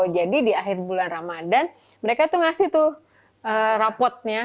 jadi di akhir bulan ramadhan mereka tuh ngasih tuh rapotnya